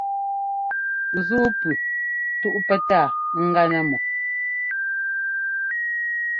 Ńzúu pʉ túʼ pɛtáa ɛ́gá nɛ́ mɔ.